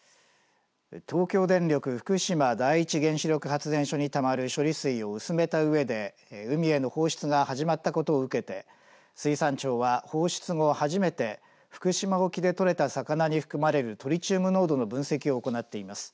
東京電力福島第一原子力発電所にたまる処理水を薄めたうえで海への放出が始まったことを受けて水産庁は放出後初めて福島沖で取れた魚に含まれるトリチウム濃度の分析を行っています。